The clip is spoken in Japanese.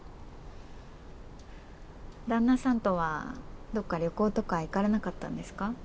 旦那さんとはどっか旅行とか行かれなかったんですか？